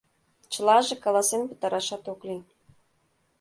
Чылаже каласен пытарашат ок лий.